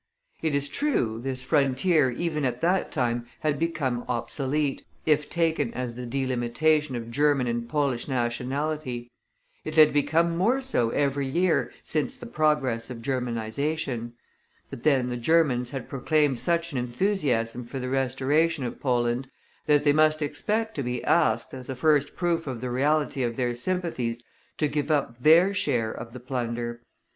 It is true, this frontier, even at that time, had become obsolete, if taken as the delimitation of German and Polish nationality; it had become more so every year since by the progress of Germanization; but then, the Germans had proclaimed such an enthusiasm for the restoration of Poland, that they must expect to be asked, as a first proof of the reality of their sympathies to give up their share of the plunder.